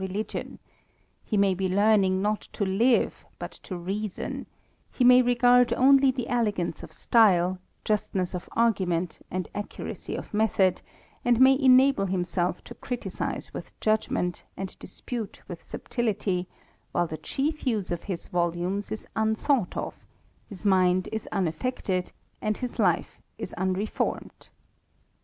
religionj^Jie may be learning not to live, but to reason ; he iiiay regard only the elegance of style, justness of argument and accuracy of method ; and may enable himself to criticise with judgment, and dispute with subtilty, while the chie/ use of his volumes is unthought of, his mind is unaffected,, and his life is unreformed.